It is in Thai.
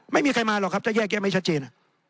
ไม่มีใครมาหรอกครับถ้าแยกแยะไม่ชัดเจน